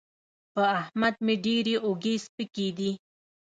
په احمد مې ډېرې اوږې سپکې دي.